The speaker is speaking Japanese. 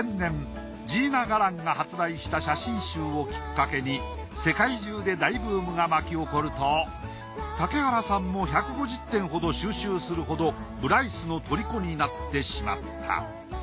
完全に忘れ去られていたが世界中で大ブームが巻き起こると竹原さんも１５０点ほど収集するほどブライスのとりこになってしまった。